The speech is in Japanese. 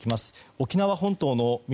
沖縄本島の南